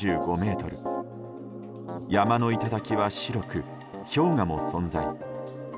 山の頂は白く、氷河も存在。